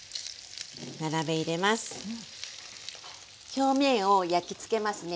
表面を焼きつけますね。